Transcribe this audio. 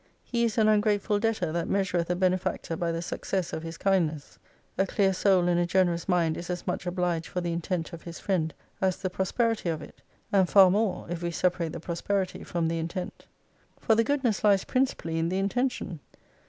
He is an ungrateful debtor, that measureth a benefactor by the success of his kindness. A clear soul and a generous mind is as much obliged for the intent of his friend, as the prosperity of it : and far more, if we separate the prosperity from the intent. For the goodness lies principally in the intention.